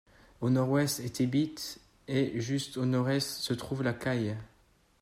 Au nord-ouest est Thebit et juste au nord-est se trouve La Caille.